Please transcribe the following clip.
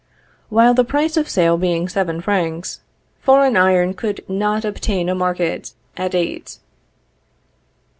While the price of sale being seven francs, foreign iron could not obtain a market at eight.